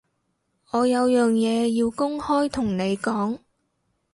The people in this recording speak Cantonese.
我有樣嘢要公開同你講